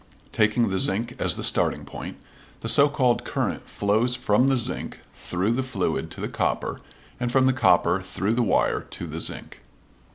Taking the zinc as the starting point, the so called current flows from the zinc through the fluid to the copper and from the copper through the wire to the zinc.